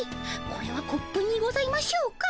これはコップにございましょうか。